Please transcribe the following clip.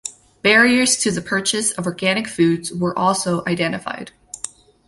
Barriers to the purchase of organic foods were also identified.